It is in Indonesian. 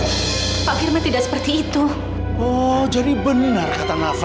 abang akan selesai tonightlevant